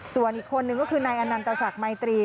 ส่วนอีกคนนึงก็คือนายอนันตศักดิ์มัยตรี